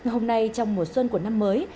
hôm nay trong mùa xuân của năm mới